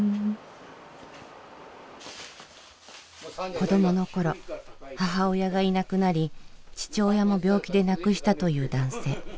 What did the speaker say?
子どもの頃母親がいなくなり父親も病気で亡くしたという男性。